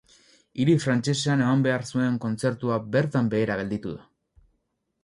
Hiri frantsesean eman behar zuen kontzertua bertan behera gelditu da.